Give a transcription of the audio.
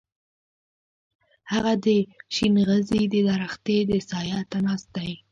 هغه د شينغزي د درختې و سايه ته ناست دی.